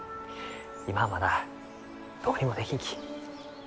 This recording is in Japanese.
今はまだどうにもできんき。